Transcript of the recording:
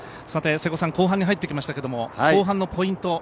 さて、後半に入ってきましたけど後半のポイント